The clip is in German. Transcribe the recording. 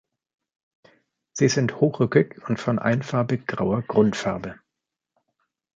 Sie sind hochrückig und von einfarbig grauer Grundfarbe.